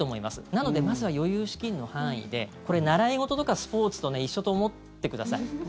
なので、まずは余裕資金の範囲でこれ、習い事とかスポーツと一緒と思ってください。